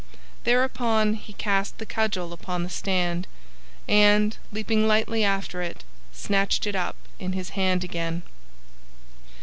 Thereupon he cast the cudgel upon the stand and, leaping lightly after it, snatched it up in his hand again.